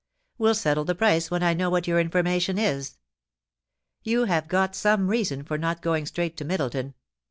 We'll settle the price when I know what your information is. You have got some reason for not going straight to Middleton.